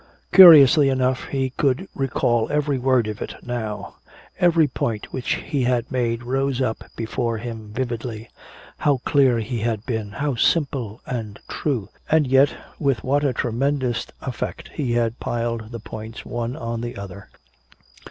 Curiously enough he could recall every word of it now. Every point which he had made rose up before him vividly. How clear he had been, how simple and true, and yet with what a tremendous effect he had piled the points one on the other.